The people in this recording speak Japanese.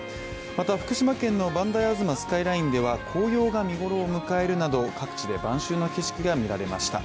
また、福島県の磐梯吾妻スカイラインでは紅葉が見頃を迎えるなど、各地で晩秋の景色が見られました。